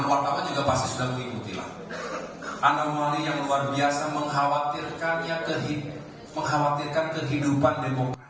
anomali yang luar biasa mengkhawatirkan yang terhitung mengkhawatirkan kehidupan